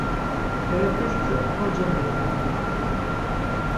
Perepesti oxorca uyonunan.